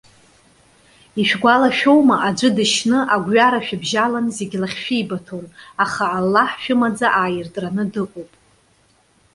Ишәгәалашәоума, аӡәы дышьны, агәҩара шәыбжьаланы зегьы лахь шәибаҭон. Аха Аллаҳ шәымаӡа ааиртраны дыҟоуп.